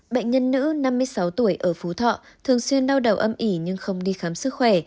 bệnh nhân nữ năm mươi sáu tuổi ở phú thọ thường xuyên đau đầu âm ỉ nhưng không đi khám sức khỏe